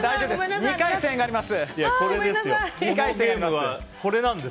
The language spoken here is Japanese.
２回戦があります。